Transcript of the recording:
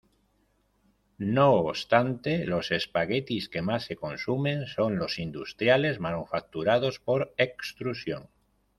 No obstante, los espaguetis que más se consumen son los industriales, manufacturados por extrusión.